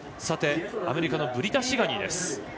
続いてアメリカのブリタ・シガニーです。